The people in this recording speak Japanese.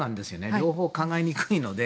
両方は考えにくいので。